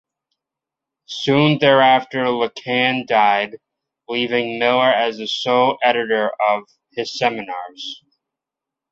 Soon thereafter Lacan died, leaving Miller as the sole editor of his seminars.